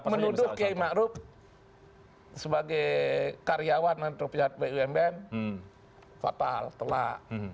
menuduh keimakrup sebagai karyawan antropologi bumb fatal telak